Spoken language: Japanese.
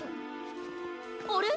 あれ？